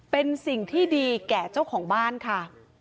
เป็นสิ่งที่ดีแก่เจ้าของบ้านค่ะ